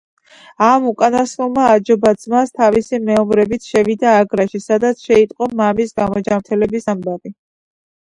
ამ უკანასკნელმა აჯობა ძმას, თავისი მეომრებით შევიდა აგრაში, სადაც შეიტყო მამის გამოჯანმრთელების ამბავი.